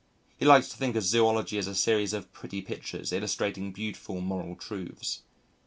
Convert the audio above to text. He likes to think of Zoology as a series of pretty pictures illustrating beautiful moral truths.